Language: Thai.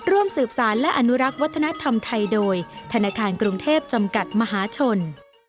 ร่วมสืบสารและอนุรักษ์วัฒนธรรมไทยโดยธนาคารกรุงเทพจำกัดมหาชน